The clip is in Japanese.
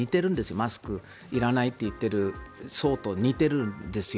マスクいらないと言っている層と似ているんですよ。